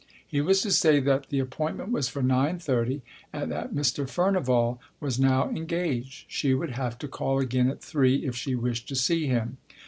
He was to say that the appointment was for nine thirty and that Mr. Furnival was now engaged. She would have to call again at three if she wished to see him.